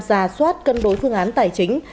giả soát cân đối phương án tài chính